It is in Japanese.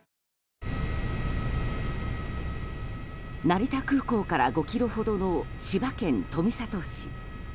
成田空港から５ｋｍほどの千葉県富里市。